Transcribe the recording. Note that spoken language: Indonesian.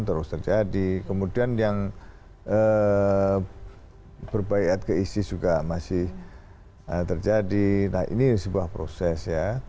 terus terjadi kemudian yang berbaikat ke isis juga masih terjadi nah ini sebuah proses ya